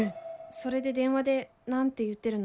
それで電話で何て言うてるの。